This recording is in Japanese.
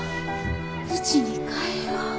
うちに帰ろ。